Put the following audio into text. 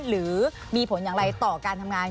หรือมีผลอย่างไรต่อการทำงาน